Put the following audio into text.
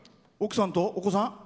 奥さんとお子さん？